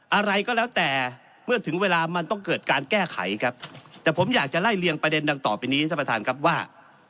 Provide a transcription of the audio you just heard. อะไรก็แล้วแต่เมื่อถึงเวลามันต้องเกิดการแก้ไขครับแต่ผมอยากจะไล่เลียงประเด็นดังต่อไปนี้ท่านประธานครับว่า